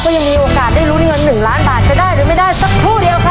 ยังมีโอกาสได้ลุ้นเงิน๑ล้านบาทจะได้หรือไม่ได้สักครู่เดียวครับ